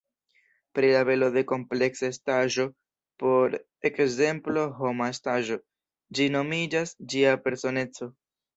Pri la belo de kompleksa estaĵo, por ekzemplo homa estaĵo, ĝi nomiĝas ĝia personeco.